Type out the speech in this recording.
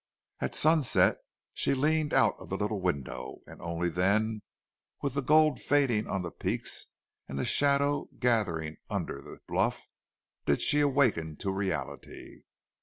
At sunset she leaned out of the little window, and only then, with the gold fading on the peaks and the shadow gathering under the bluff, did she awaken to reality.